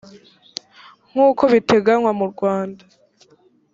nk uko biteganywa mu rwanda